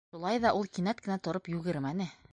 Шулай ҙа ул кинәт кенә тороп йүгермәне.